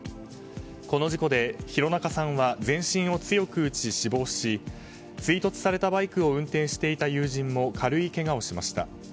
この事故で廣中さんは全身を強く打ち死亡し追突されたバイクを運転していた友人も軽いけがをしました。